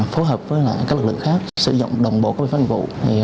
phối hợp với các lực lượng khác sử dụng đồng bộ các bệnh pháp hành vụ